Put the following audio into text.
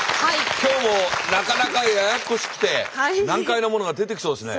今日もなかなかややこしくて難解なものが出てきそうですね。